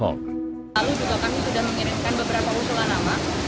lalu juga kami sudah mengirimkan beberapa usulan nama